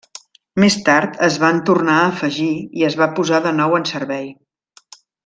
Més tard es van tornar a afegir i es va posar de nou en servei.